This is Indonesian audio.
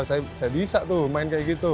saya bisa tuh main kayak gitu